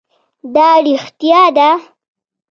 دا رښتیا ده.